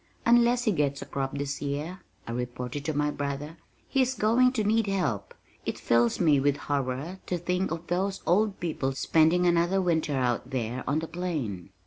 "Unless he gets a crop this year," I reported to my brother "he is going to need help. It fills me with horror to think of those old people spending another winter out there on the plain."